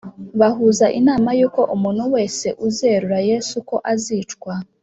bahuza inama yuko umuntu wese uzerura yesu ko azicwa